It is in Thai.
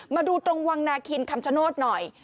มาดูตรงวังนาคินคำชโนธหน่อย